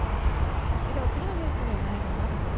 では、次のニュースに参ります。